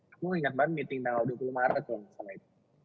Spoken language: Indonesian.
aku ingat banget meeting tahun dua puluh maret loh misalnya itu